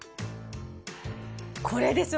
これですよ！